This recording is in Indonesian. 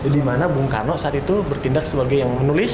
dimana bu karno saat itu bertindak sebagai yang menulis